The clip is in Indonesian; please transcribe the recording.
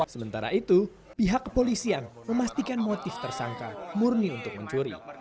sementara itu pihak kepolisian memastikan motif tersangka murni untuk mencuri